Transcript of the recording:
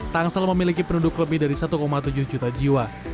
tangsel memiliki penduduk lebih dari satu tujuh juta jiwa